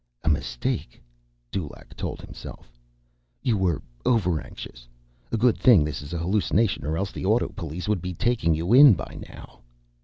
A mistake, Dulaq told himself. _You were overanxious. A good thing this is an hallucination, or else the autopolice would be taking you in by now.